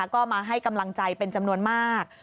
ก็มาให้กำลังใจเป็นจำนวนมาก